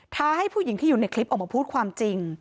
ให้ผู้หญิงที่อยู่ในคลิปออกมาพูดความจริง